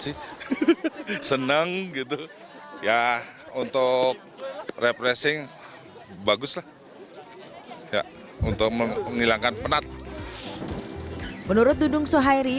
sih seneng gitu ya untuk refreshing baguslah ya untuk menghilangkan penat menurut dudung sohairi